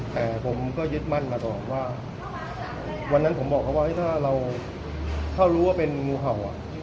แต่ผมก็ยึดมั่นมาตลอดว่าวันนั้นผมบอกเขาว่าถ้าเราถ้ารู้ว่าเป็นงูเห่า